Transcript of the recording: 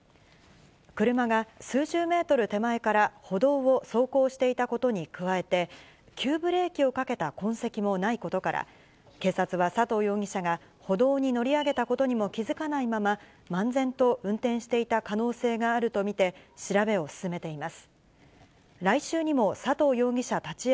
車が数十メートル手前から歩道を走行していたことに加えて、急ブレーキをかけた痕跡もないことから、警察は佐藤容疑者が、歩道に乗り上げたことにも気付かないまま、漫然と運転していた可能性があると見て、調べを進めています。